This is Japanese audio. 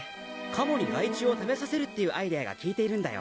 カモに害虫を食べさせるっていうアイデアが効いているんだよ。